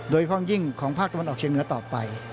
โดยห้องยิ่งของภาคตะวันออกเชียงเหนือต่อไป